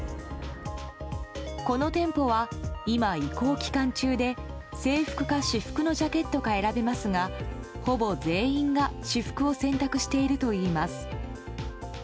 この店舗は今、移行期間中で制服か私服のジャケットか選べますがほぼ全員が私服を選択しているといいます。